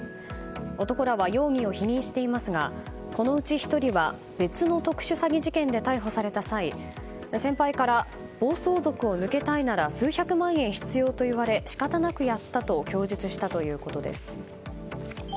男らは容疑を否認していますがこのうち１人は別の特殊詐欺事件で逮捕された際先輩から、暴走族を抜けたいなら数百万円必要と言われ仕方なくやったと供述したということです。